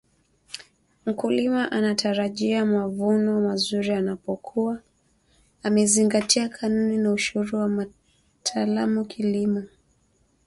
Mkulima anatarajia mavuono mazuri anapokua amezingatia kanuni na ushauri wa wataalam wa kilimo